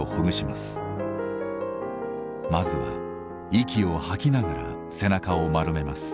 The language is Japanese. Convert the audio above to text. まずは息を吐きながら背中を丸めます。